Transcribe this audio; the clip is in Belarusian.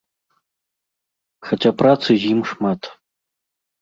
Хаця працы з ім шмат.